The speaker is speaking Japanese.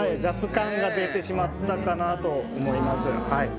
雑感が出てしまったかなと思います。